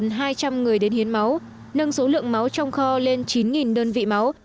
nhiều người đến hiến máu nâng số lượng máu trong kho lên chín đơn vị máu